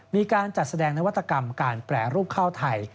มีการจัดแสดงนวัตกรรมการแปรรูปข้าวไทย